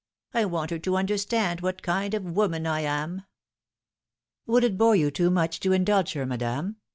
I want her to under stand what kind of woman I am." "Would it bore you too much to indulge her, madame?"